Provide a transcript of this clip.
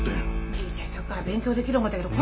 ちいちゃい時から勉強できる思うたけど。